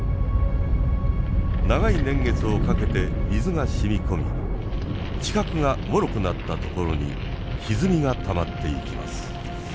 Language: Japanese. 長い年月をかけて水が染み込み地殻がもろくなった所にひずみがたまっていきます。